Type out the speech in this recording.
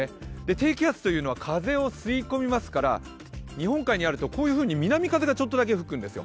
低気圧というのは風を吹き込みますからこういうふうに南風がちょっとだけ吹くんですよ。